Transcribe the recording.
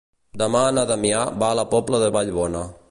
Demà na Damià va a la Pobla de Vallbona.